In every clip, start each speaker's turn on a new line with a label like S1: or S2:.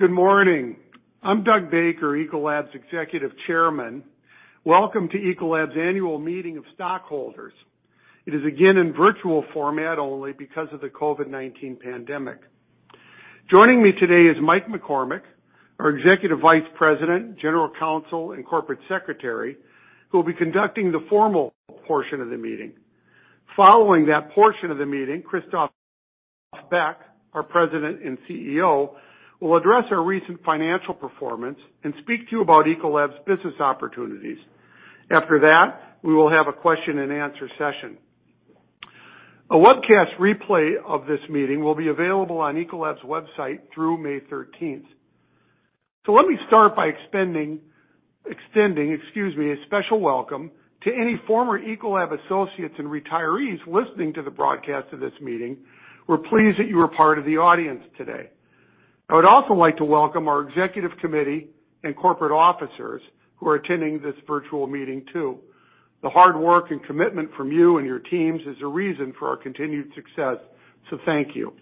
S1: Good morning. I'm Doug Baker, Ecolab's Executive Chairman. Welcome to Ecolab's Annual Meeting of Stockholders. It is again in virtual format only because of the COVID-19 pandemic. Joining me today is Mike McCormick, our Executive Vice President, General Counsel, and Corporate Secretary, who will be conducting the formal portion of the meeting. Following that portion of the meeting, Christophe Beck, our President and CEO, will address our recent financial performance and speak to you about Ecolab's business opportunities. After that, we will have a question and answer session. A webcast replay of this meeting will be available on Ecolab's website through May 13th. Let me start by extending a special welcome to any former Ecolab associates and retirees listening to the broadcast of this meeting. We're pleased that you are part of the audience today. I would also like to welcome our executive committee and corporate officers who are attending this virtual meeting too. The hard work and commitment from you and your teams is a reason for our continued success. Thank you.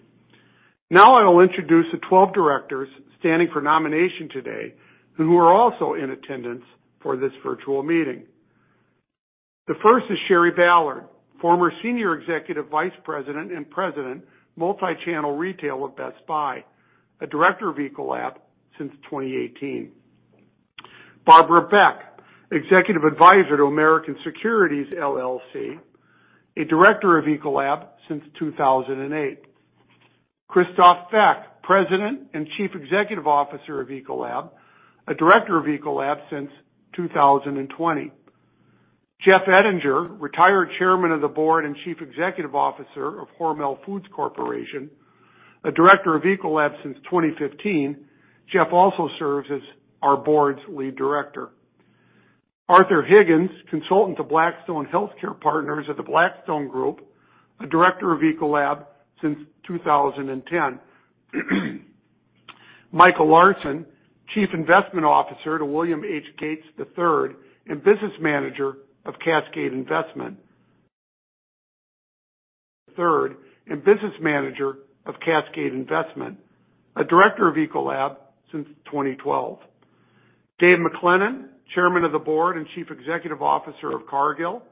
S1: Now I will introduce the 12 directors standing for nomination today who are also in attendance for this virtual meeting. The first is Shari L. Ballard, former Senior Executive Vice President and President, Multi-Channel Retail of Best Buy, a Director of Ecolab since 2018. Barbara Beck, Executive Advisor to American Securities LLC, a Director of Ecolab since 2008. Christophe Beck, President and Chief Executive Officer of Ecolab, a Director of Ecolab since 2020. Jeffrey M. Ettinger, Retired Chairman of the Board and Chief Executive Officer of Hormel Foods Corporation, a Director of Ecolab since 2015. Jeffrey also serves as our board's Lead Director. Arthur Higgins, Consultant to Blackstone Healthcare Partners at The Blackstone Group, a Director of Ecolab since 2010. Michael Larson, Chief Investment Officer to William H. Gates III and Business Manager of Cascade Investment. Third, and Business Manager of Cascade Investment, a Director of Ecolab since 2012. Dave MacLennan, Chairman of the Board and Chief Executive Officer of Cargill,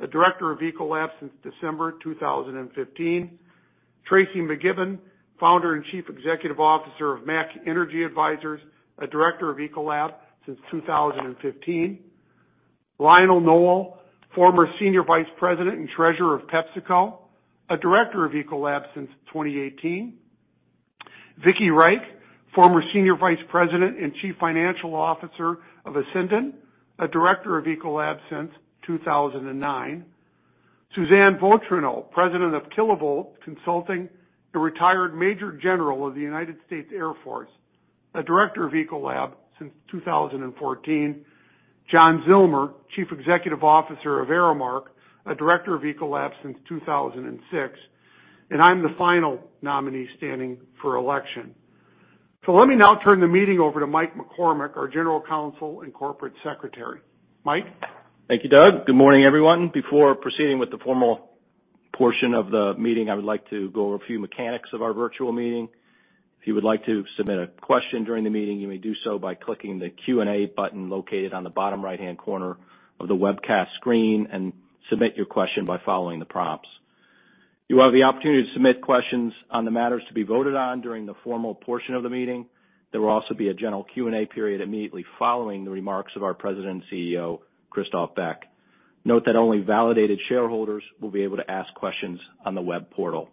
S1: a Director of Ecolab since December 2015. Tracy McKibben, Founder and Chief Executive Officer of MAC Energy Advisors, a Director of Ecolab since 2015. Lionel Nowell, former Senior Vice President and Treasurer of PepsiCo, a Director of Ecolab since 2018. Victoria Reich, former Senior Vice President and Chief Financial Officer of Ascendion, a Director of Ecolab since 2009. Suzanne Vautrinot, President of Kilovolt Consulting, a retired Major General of the United States Air Force, a Director of Ecolab since 2014. John Zillmer, Chief Executive Officer of Aramark, a Director of Ecolab since 2006. I'm the final nominee standing for election. Let me now turn the meeting over to Michael McCormick, our General Counsel and Corporate Secretary. Michael?
S2: Thank you, Doug. Good morning, everyone. Before proceeding with the formal portion of the meeting, I would like to go over a few mechanics of our virtual meeting. If you would like to submit a question during the meeting, you may do so by clicking the Q&A button located on the bottom right-hand corner of the webcast screen and submit your question by following the prompts. You will have the opportunity to submit questions on the matters to be voted on during the formal portion of the meeting. There will also be a general Q&A period immediately following the remarks of our President and Chief Executive Officer, Christophe Beck. Note that only validated shareholders will be able to ask questions on the web portal.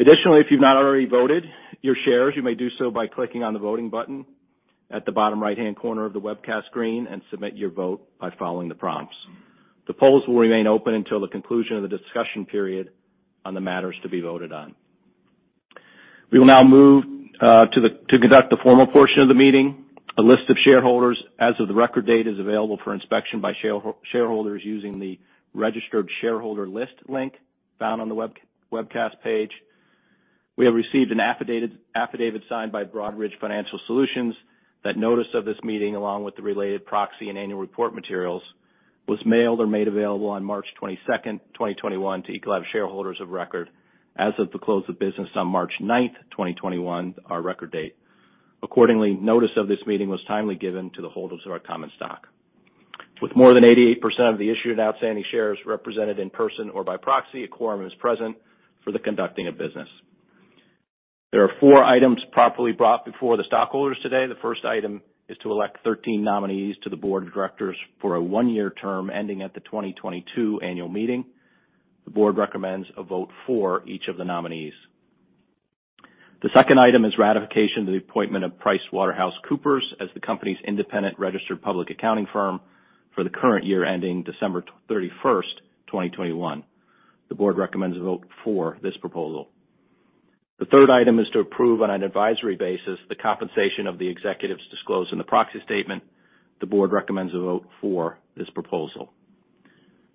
S2: Additionally, if you've not already voted your shares, you may do so by clicking on the voting button at the bottom right-hand corner of the webcast screen and submit your vote by following the prompts. The polls will remain open until the conclusion of the discussion period on the matters to be voted on. We will now move to conduct the formal portion of the meeting. A list of shareholders as of the record date is available for inspection by shareholders using the Registered Shareholder List link found on the webcast page. We have received an affidavit signed by Broadridge Financial Solutions that notice of this meeting, along with the related proxy and annual report materials, was mailed or made available on March 22nd, 2021, to Ecolab shareholders of record as of the close of business on March 9th, 2021, our record date. Accordingly, notice of this meeting was timely given to the holders of our common stock. With more than 88% of the issued outstanding shares represented in person or by proxy, a quorum is present for the conducting of business. There are four items properly brought before the stockholders today. The first item is to elect 13 nominees to the board of directors for a one-year term ending at the 2022 annual meeting. The board recommends a vote for each of the nominees. The second item is ratification of the appointment of PricewaterhouseCoopers as the company's independent registered public accounting firm for the current year ending December 31st, 2021. The board recommends a vote for this proposal. The third item is to approve on an advisory basis the compensation of the executives disclosed in the proxy statement. The board recommends a vote for this proposal.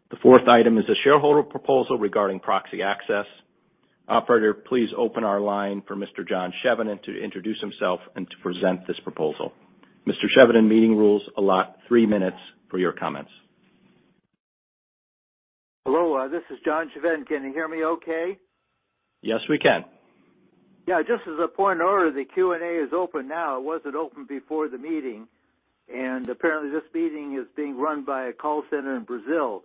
S2: The fourth item is a shareholder proposal regarding proxy access. Operator, please open our line for Mr. John Chevedden to introduce himself and to present this proposal. Mr. Chevedden, meeting rules allot three minutes for your comments.
S3: This is John Chevedden. Can you hear me okay?
S2: Yes, we can.
S3: Yeah. Just as a point of order, the Q&A is open now. It wasn't open before the meeting, and apparently, this meeting is being run by a call center in Brazil.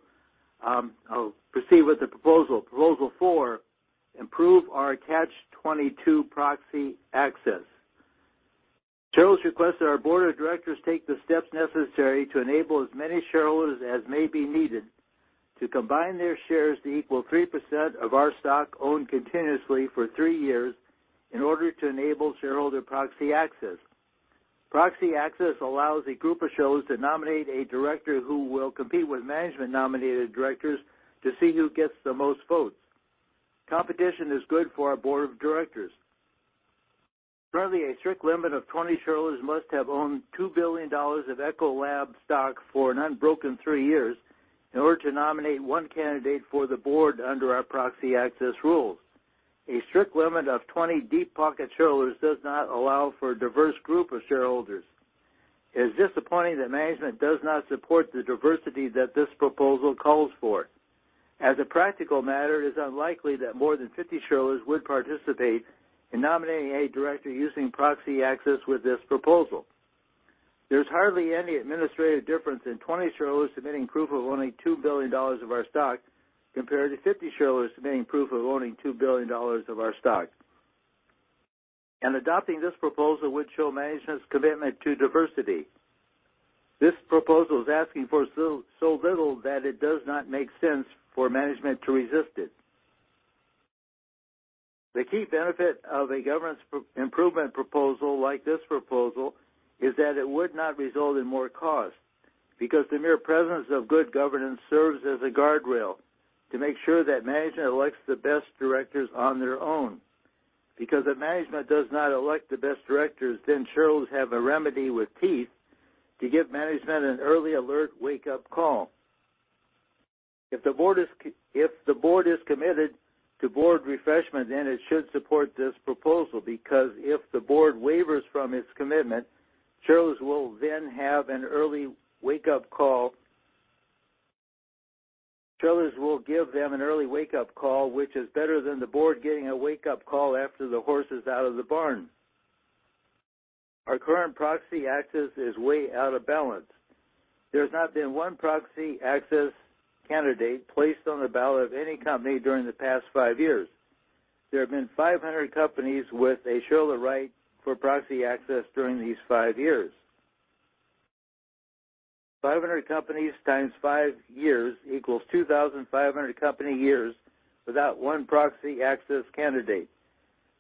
S3: I'll proceed with the proposal. Proposal four, improve our Catch-22 proxy access. Shareholders request that our board of directors take the steps necessary to enable as many shareholders as may be needed to combine their shares to equal three percent of our stock owned continuously for three years in order to enable shareholder proxy access. Proxy access allows a group of shareholders to nominate a director who will compete with management-nominated directors to see who gets the most votes. Competition is good for our board of directors. Currently, a strict limit of 20 shareholders must have owned $2 billion of Ecolab stock for an unbroken three years in order to nominate one candidate for the board under our proxy access rules. A strict limit of 20 deep-pocket shareholders does not allow for a diverse group of shareholders. It is disappointing that management does not support the diversity that this proposal calls for. As a practical matter, it is unlikely that more than 50 shareholders would participate in nominating a director using proxy access with this proposal. There's hardly any administrative difference in 20 shareholders submitting proof of owning $2 billion of our stock compared to 50 shareholders submitting proof of owning $2 billion of our stock. Adopting this proposal would show management's commitment to diversity. This proposal is asking for so little that it does not make sense for management to resist it. The key benefit of a governance improvement proposal like this proposal is that it would not result in more cost, because the mere presence of good governance serves as a guardrail to make sure that management elects the best directors on their own. If management does not elect the best directors, then shareholders have a remedy with teeth to give management an early alert wake-up call. If the board is committed to board refreshment, then it should support this proposal, because if the board wavers from its commitment, shareholders will then have an early wake-up call. Shareholders will give them an early wake-up call, which is better than the board getting a wake-up call after the horse is out of the barn. Our current proxy access is way out of balance. There's not been one proxy access candidate placed on the ballot of any company during the past five years. There have been 500 companies with a shareholder right for proxy access during these five years. 500 companies times five years equals 2,500 company years without one proxy access candidate.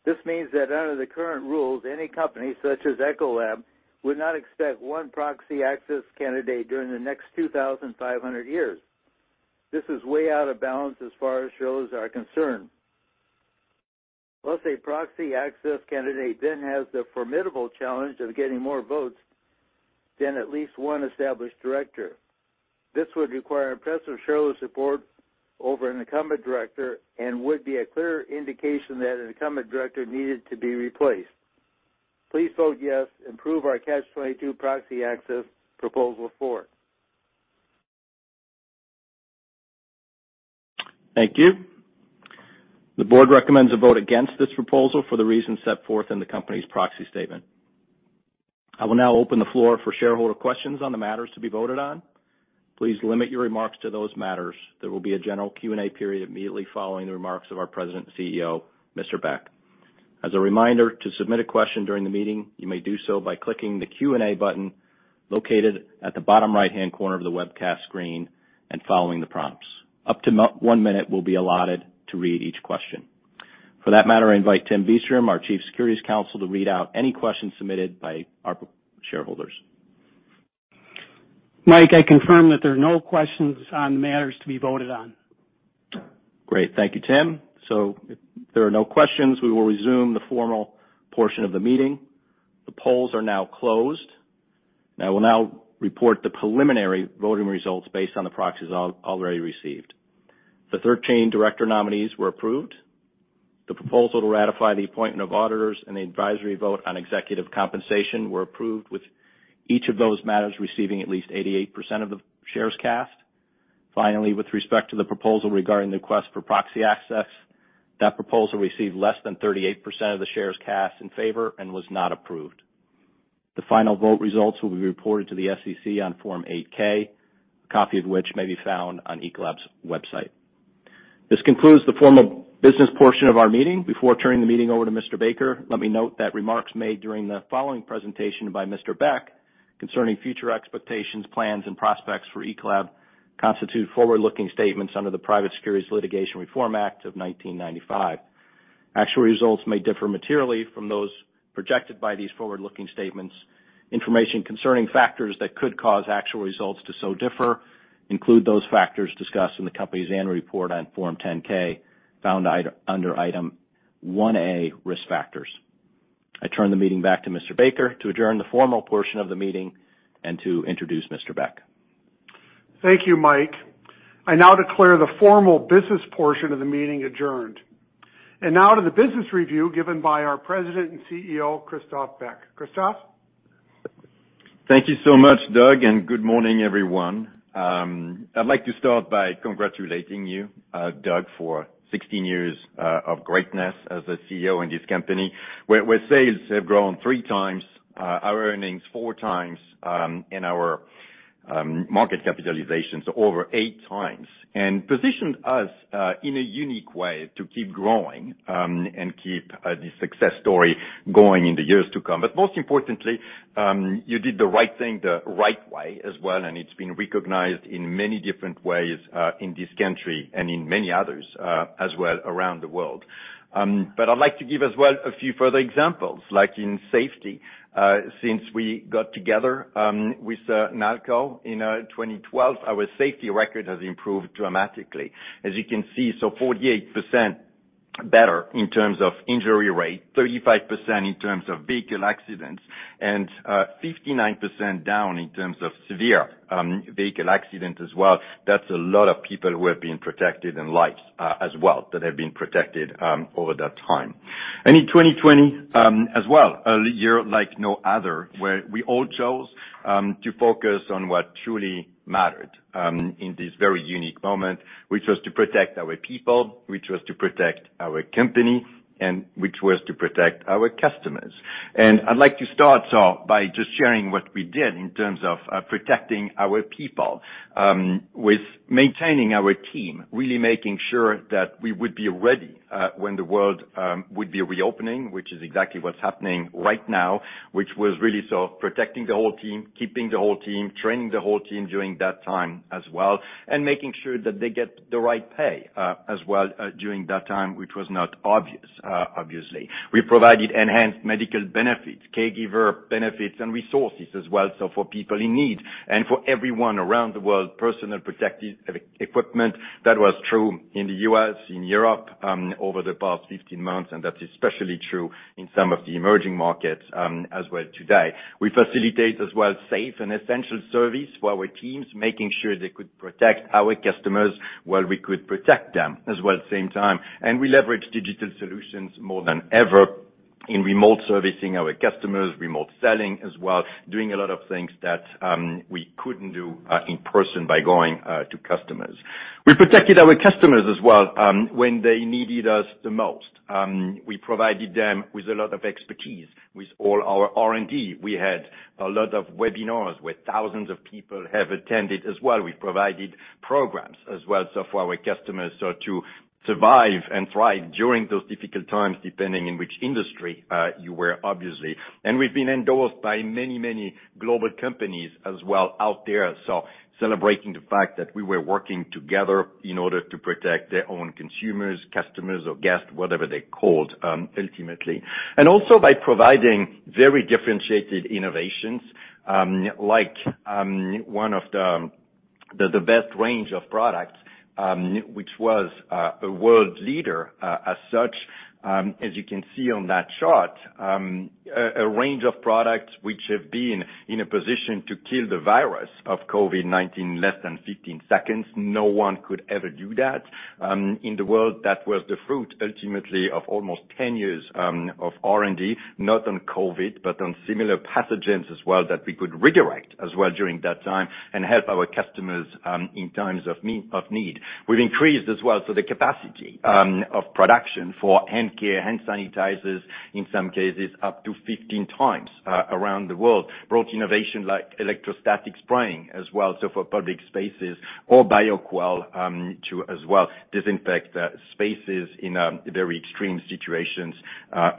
S3: This means that under the current rules, any company, such as Ecolab, would not expect one proxy access candidate during the next 2,500 years. This is way out of balance as far as shareholders are concerned. Plus, a proxy access candidate then has the formidable challenge of getting more votes than at least one established director. This would require impressive shareholder support over an incumbent director and would be a clear indication that an incumbent director needed to be replaced. Please vote yes. Improve our Catch-22 proxy access, proposal four.
S2: Thank you. The board recommends a vote against this proposal for the reasons set forth in the company's proxy statement. I will now open the floor for shareholder questions on the matters to be voted on. Please limit your remarks to those matters. There will be a general Q&A period immediately following the remarks of our President and CEO, Mr. Beck. As a reminder, to submit a question during the meeting, you may do so by clicking the Q&A button located at the bottom right-hand corner of the webcast screen and following the prompts. Up to one minute will be allotted to read each question. For that matter, I invite Tim Beestrum, our Chief Securities Counsel, to read out any questions submitted by our shareholders.
S4: Mike, I confirm that there are no questions on the matters to be voted on.
S2: Great. Thank you, Tim. if there are no questions, we will resume the formal portion of the meeting. The polls are now closed. I will now report the preliminary voting results based on the proxies already received. The 13 director nominees were approved. The proposal to ratify the appointment of auditors and the advisory vote on executive compensation were approved with each of those matters receiving at least 88% of the shares cast. Finally, with respect to the proposal regarding the request for proxy access, that proposal received less than 38% of the shares cast in favor and was not approved. The final vote results will be reported to the SEC on Form 8-K, a copy of which may be found on Ecolab's website. This concludes the formal business portion of our meeting. Before turning the meeting over to Mr. Baker, let me note that remarks made during the following presentation by Mr. Beck concerning future expectations, plans, and prospects for Ecolab constitute forward-looking statements under the Private Securities Litigation Reform Act of 1995. Actual results may differ materially from those projected by these forward-looking statements. Information concerning factors that could cause actual results to so differ include those factors discussed in the company's annual report on Form 10-K, found under Item 1A, Risk Factors. I turn the meeting back to Mr. Baker to adjourn the formal portion of the meeting and to introduce Mr. Beck.
S1: Thank you, Mike. I now declare the formal business portion of the meeting adjourned. Now to the business review given by our President and CEO, Christophe Beck. Christophe?
S5: Thank you so much, Doug, and good morning, everyone. I'd like to start by congratulating you, Doug, for 16 years of greatness as a CEO in this company, where sales have grown three times, our earnings four times, and our market capitalization over eight times, and positioned us in a unique way to keep growing and keep this success story going in the years to come. Most importantly, you did the right thing the right way as well, and it's been recognized in many different ways in this country and in many others as well, around the world. I'd like to give as well a few further examples, like in safety. Since we got together with Nalco in 2012, our safety record has improved dramatically. As you can see, 48% better in terms of injury rate, 35% in terms of vehicle accidents, and 59% down in terms of severe vehicle accidents as well. That's a lot of people who have been protected and lives as well, that have been protected over that time. in 2020, as well, a year like no other, where we all chose to focus on what truly mattered in this very unique moment, which was to protect our people, which was to protect our company, and which was to protect our customers. I'd like to start so by just sharing what we did in terms of protecting our people with maintaining our team, really making sure that we would be ready when the world would be reopening, which is exactly what's happening right now, which was really so protecting the whole team, keeping the whole team, training the whole team during that time as well, and making sure that they get the right pay as well during that time, which was not obvious, obviously. We provided enhanced medical benefits, caregiver benefits, and resources as well, so for people in need. For everyone around the world, personal protective equipment. That was true in the U.S., in Europe, over the past 15 months, and that's especially true in some of the emerging markets as well today. We facilitate as well safe and essential service for our teams, making sure they could protect our customers while we could protect them as well at the same time. We leverage digital solutions more than ever in remote servicing our customers, remote selling as well, doing a lot of things that we couldn't do in person by going to customers. We protected our customers as well, when they needed us the most. We provided them with a lot of expertise with all our R&D. We had a lot of webinars where thousands of people have attended as well. We provided programs as well so for our customers so to survive and thrive during those difficult times, depending on which industry you were, obviously. We've been endorsed by many, many global companies as well out there, so celebrating the fact that we were working together in order to protect their own consumers, customers or guests, whatever they're called, ultimately. Also by providing very differentiated innovations, like one of the best range of products, which was a world leader as such. As you can see on that chart, a range of products which have been in a position to kill the virus of COVID-19 less than 15 seconds. No one could ever do that in the world. That was the fruit, ultimately, of almost 10 years of R&D, not on COVID, but on similar pathogens as well that we could redirect as well during that time and help our customers in times of need. We've increased as well, so the capacity of production for hand care, hand sanitizers, in some cases up to 15 times around the world. Brought innovation like electrostatic spraying as well, so for public spaces or Bioquell, to as well disinfect spaces in very extreme situations,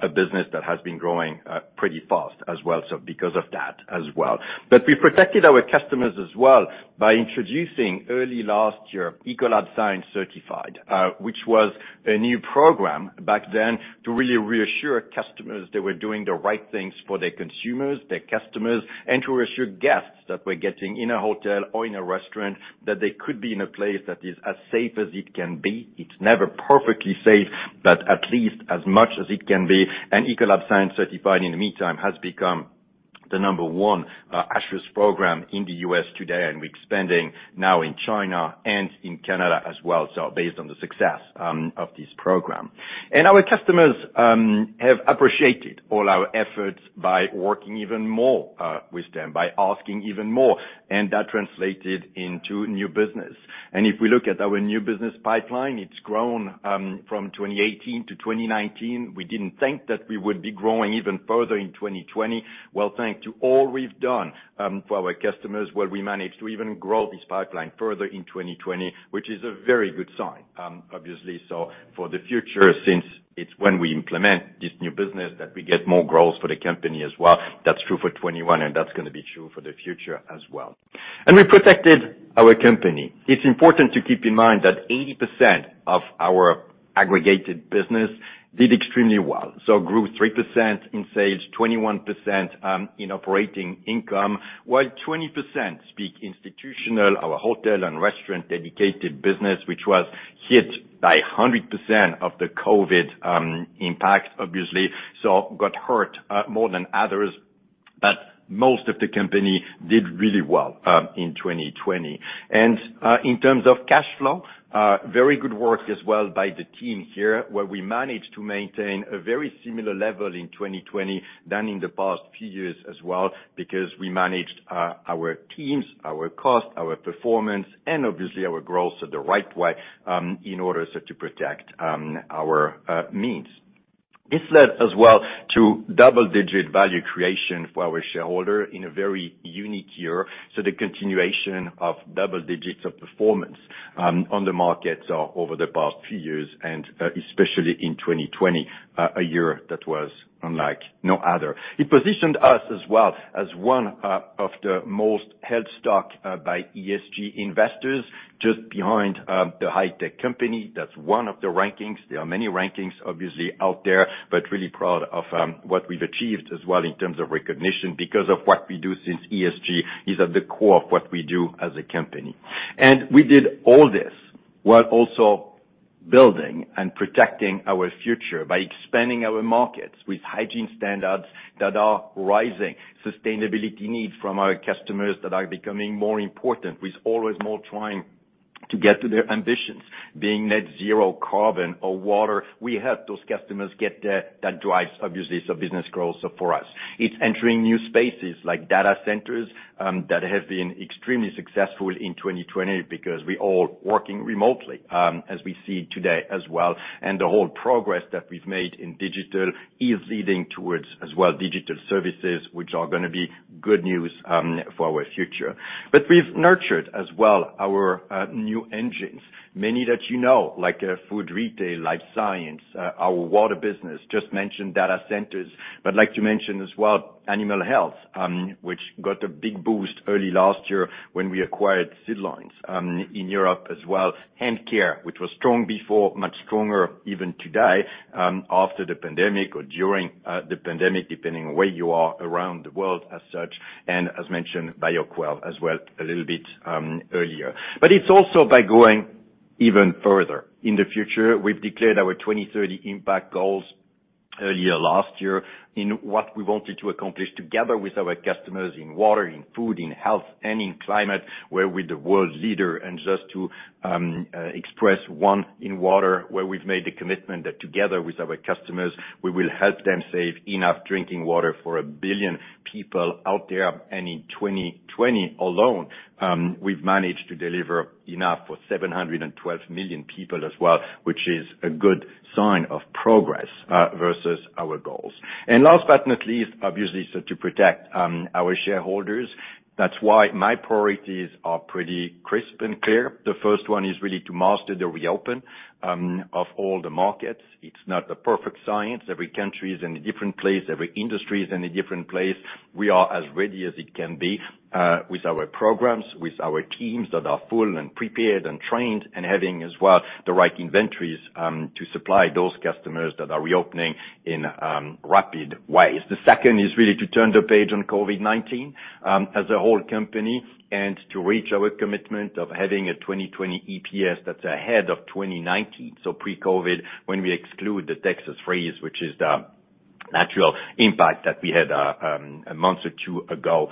S5: a business that has been growing pretty fast as well, so because of that as well. We protected our customers as well by introducing early last year, Ecolab Science Certified, which was a new program back then to really reassure customers they were doing the right things for their consumers, their customers, and to reassure guests that were getting in a hotel or in a restaurant, that they could be in a place that is as safe as it can be. It's never perfectly safe, but at least as much as it can be. Ecolab Science Certified, in the meantime, has become the number one assurance program in the U.S. today, and we're expanding now in China and in Canada as well, so based on the success of this program. Our customers have appreciated all our efforts by working even more with them, by asking even more, and that translated into new business. If we look at our new business pipeline, it's grown from 2018 to 2019. We didn't think that we would be growing even further in 2020. Well, thanks to all we've done for our customers, well, we managed to even grow this pipeline further in 2020, which is a very good sign, obviously. For the future, since it's when we implement this new business that we get more growth for the company as well. That's true for 2021, and that's gonna be true for the future as well. We protected our company. It's important to keep in mind that 80% of our aggregated business did extremely well. Grew three percent in sales, 21% in operating income, while 20% speak institutional, our hotel and restaurant dedicated business, which was hit by 100% of the COVID impact, obviously, so got hurt more than others. Most of the company did really well in 2020. In terms of cash flow, very good work as well by the team here, where we managed to maintain a very similar level in 2020 than in the past few years as well, because we managed our teams, our cost, our performance, and obviously our growth, so the right way in order to protect our means. It's led as well to double-digit value creation for our shareholder in a very unique year, the continuation of double digits of performance on the markets over the past few years and especially in 2020, a year that was unlike no other. It positioned us as well as one of the most held stock by ESG investors, just behind the high tech company. That's one of the rankings. There are many rankings obviously out there, but really proud of what we've achieved as well in terms of recognition because of what we do, since ESG is at the core of what we do as a company. We did all this while also building and protecting our future by expanding our markets with hygiene standards that are rising, sustainability needs from our customers that are becoming more important, with always more trying to get to their ambitions, being net zero carbon or water. We help those customers get there. That drives, obviously, business growth for us. It's entering new spaces like data centers that have been extremely successful in 2020 because we're all working remotely, as we see today as well. The whole progress that we've made in digital is leading towards as well digital services, which are going to be good news for our future. We've nurtured as well our new engines, many that you know, like food retail, life science, our water business, just mentioned data centers, but like to mention as well animal health, which got a big boost early last year when we acquired CID Lines in Europe as well. Hand care, which was strong before, much stronger even today, after the pandemic or during the pandemic, depending on where you are around the world as such, and as mentioned, Bioquell as well a little bit earlier. It's also by going even further in the future. We've declared our 2030 impact goals earlier last year in what we wanted to accomplish together with our customers in water, in food, in health, and in climate, where we're the world leader. just to express one in water, where we've made the commitment that together with our customers, we will help them save enough drinking water for a billion people out there. In 2020 alone, we've managed to deliver enough for 712 million people as well, which is a good sign of progress versus our goals. Last but not least, obviously, so to protect our shareholders, that's why my priorities are pretty crisp and clear. The first one is really to master the reopen of all the markets. It's not a perfect science. Every country is in a different place. Every industry is in a different place. We are as ready as it can be with our programs, with our teams that are full and prepared and trained and having as well the right inventories to supply those customers that are reopening in rapid ways. The second is really to turn the page on COVID-19 as a whole company and to reach our commitment of having a 2020 EPS that's ahead of 2019. Pre-COVID, when we exclude the Texas freeze, which is the natural impact that we had a month or two ago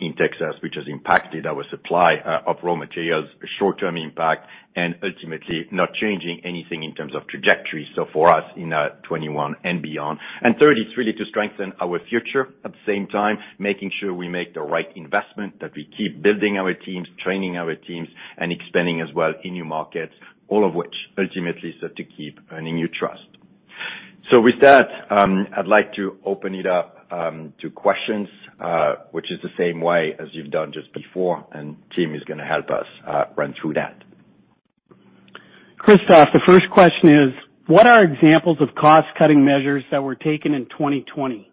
S5: in Texas, which has impacted our supply of raw materials, a short-term impact, and ultimately not changing anything in terms of trajectory for us in '21 and beyond. Third is really to strengthen our future at the same time, making sure we make the right investment, that we keep building our teams, training our teams, and expanding as well in new markets, all of which ultimately set to keep earning your trust. With that, I'd like to open it up to questions, which is the same way as you've done just before, and Tim is going to help us run through that.
S4: Christophe, the first question is, what are examples of cost-cutting measures that were taken in 2020?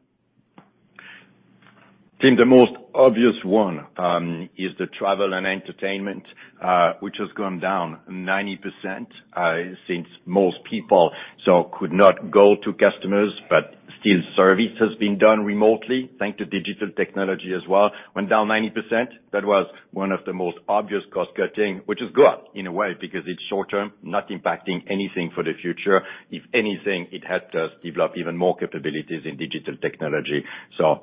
S5: Tim, the most obvious one is the travel and entertainment, which has gone down 90% since most people could not go to customers, but still service has been done remotely, thanks to digital technology as well. Went down 90%. That was one of the most obvious cost-cutting, which is good in a way because it's short-term, not impacting anything for the future. If anything, it helped us develop even more capabilities in digital technology.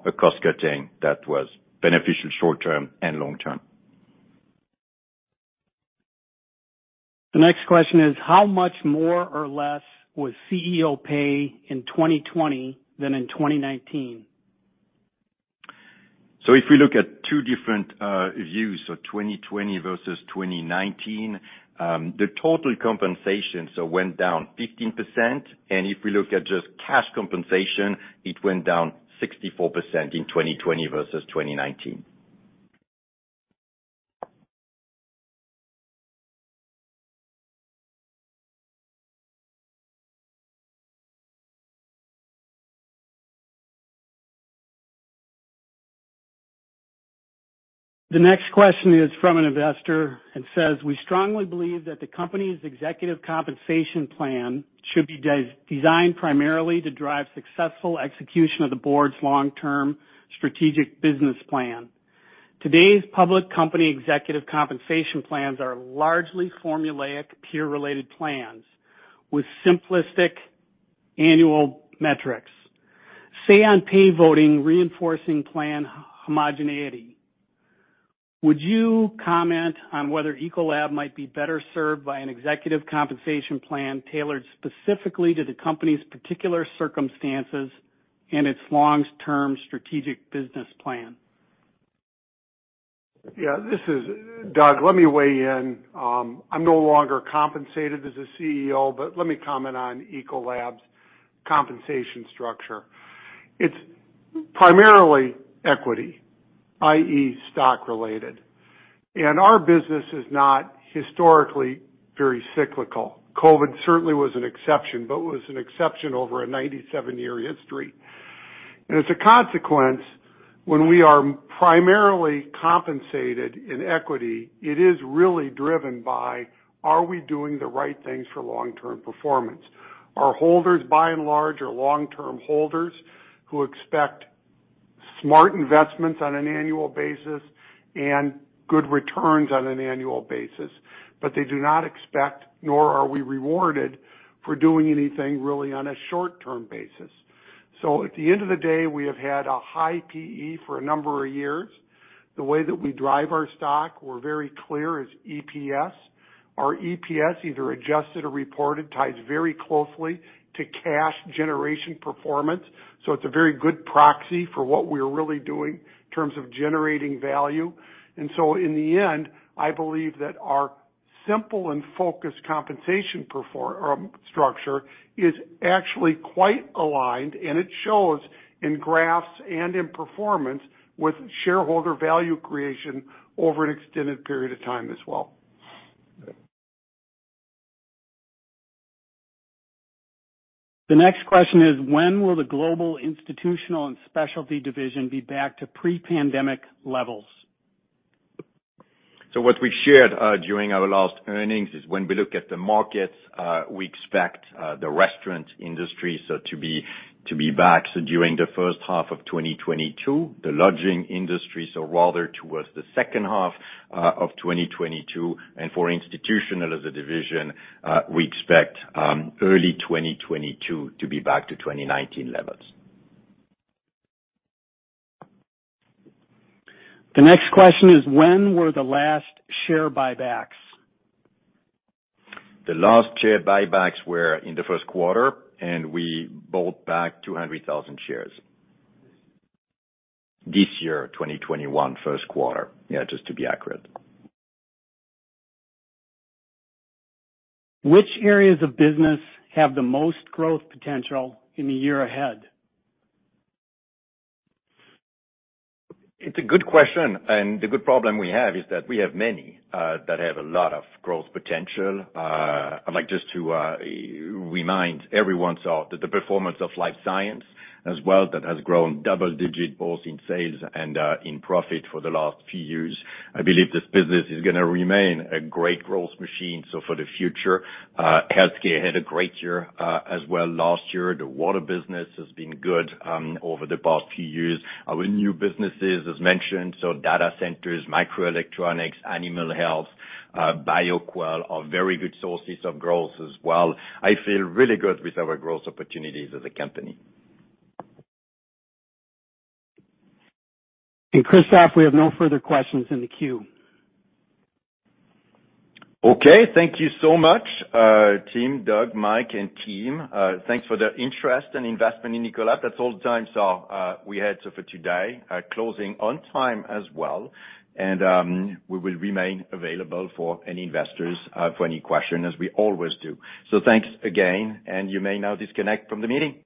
S5: A cost-cutting that was beneficial short-term and long-term.
S4: The next question is, how much more or less was CEO pay in 2020 than in 2019?
S5: If we look at two different views, so 2020 versus 2019, the total compensation went down 15%, and if we look at just cash compensation, it went down 64% in 2020 versus 2019.
S4: The next question is from an investor and says, "We strongly believe that the company's executive compensation plan should be designed primarily to drive successful execution of the board's long-term strategic business plan. Today's public company executive compensation plans are largely formulaic, peer-related plans with simplistic annual metrics, say-on-pay voting, reinforcing plan homogeneity. Would you comment on whether Ecolab might be better served by an executive compensation plan tailored specifically to the company's particular circumstances and its long-term strategic business plan?
S1: Yeah, this is Doug. Let me weigh in. I'm no longer compensated as a CEO, but let me comment on Ecolab's compensation structure. It's primarily equity, i.e., stock-related. Our business is not historically very cyclical. COVID certainly was an exception, but was an exception over a 97-year history. As a consequence, when we are primarily compensated in equity, it is really driven by, are we doing the right things for long-term performance? Our holders, by and large, are long-term holders who expect smart investments on an annual basis and good returns on an annual basis, but they do not expect, nor are we rewarded for doing anything really on a short-term basis. At the end of the day, we have had a high PE for a number of years. The way that we drive our stock, we're very clear, is EPS. Our EPS, either adjusted or reported, ties very closely to cash generation performance. It's a very good proxy for what we are really doing in terms of generating value. In the end, I believe that our simple and focused compensation structure is actually quite aligned, and it shows in graphs and in performance with shareholder value creation over an extended period of time as well.
S4: The next question is: When will the global institutional and specialty division be back to pre-pandemic levels?
S5: what we shared during our last earnings is when we look at the markets, we expect the restaurant industry to be back during the first half of 2022. The lodging industry, so rather towards the second half of 2022. for institutional, as a division, we expect early 2022 to be back to 2019 levels.
S4: The next question is: When were the last share buybacks?
S5: The last share buybacks were in the first quarter, and we bought back 200,000 shares. This year, 2021 first quarter. Yeah, just to be accurate.
S4: Which areas of business have the most growth potential in the year ahead?
S5: It's a good question, and the good problem we have is that we have many that have a lot of growth potential. I'd like just to remind everyone, so the performance of life science as well, that has grown double digit, both in sales and in profit for the last few years. I believe this business is gonna remain a great growth machine. For the future, healthcare had a great year as well last year. The water business has been good over the past few years. Our new businesses as mentioned, so data centers, microelectronics, animal health, Bioquell, are very good sources of growth as well. I feel really good with our growth opportunities as a company.
S4: Christophe, we have no further questions in the queue.
S5: Okay. Thank you so much, team Doug, Mike, and team. Thanks for the interest and investment in Ecolab. That's all the time, so we had for today. Closing on time as well. We will remain available for any investors for any question as we always do. Thanks again, and you may now disconnect from the meeting.